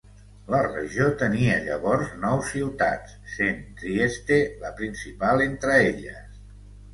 La regió tenia llavors nou ciutats, sent Trieste la principal entre elles.